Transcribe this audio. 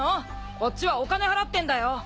こっちはお金払ってんだよ！？